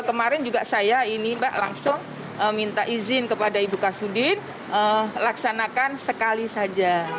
kemarin juga saya ini mbak langsung minta izin kepada ibu kasudin laksanakan sekali saja